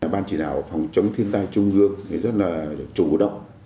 ban chỉ đạo phòng chống thiên tai trung ương rất là chủ động